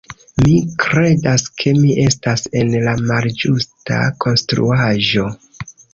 Mi kredas ke mi estas en la malĝusta konstruaĵo.